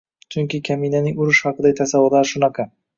Chunki kaminaning urush haqidagi tasavvurlari shunaqa.